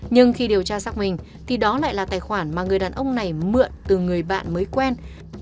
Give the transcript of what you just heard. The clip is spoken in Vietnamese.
nhưng khi điều tra xác minh thì đó lại là tài khoản mà người đàn ông này mượn từ người bạn mới quen